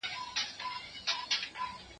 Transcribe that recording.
خو تر مرګه یې دا لوی شرم په ځان سو